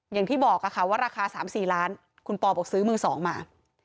อย่างที่บอกค่ะว่าราคา๓๔ล้านคุณปอบอกซื้อมือ๒มา